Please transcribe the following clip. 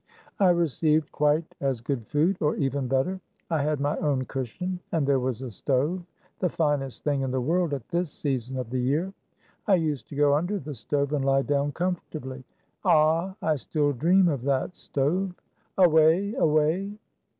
I received quite as good food, or even better. I had my own cushion, and there was a stove — the finest thing in the world at this season of the year. I used to go under the stove and lie down comfortably. Ah, I still dream of that stove! Away! Away!"